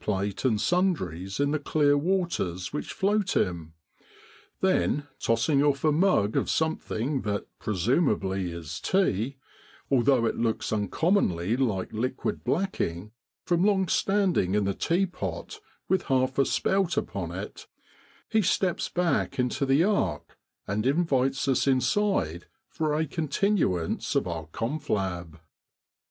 plate and sundries in the clear waters which float him; then tossing off a mug of something that presumably is tea, although it looks uncommonly like liquid black ing, from long standing in the teapot with half a spout upon it, he steps back into the ark and invites us inside for a continuance of our confab.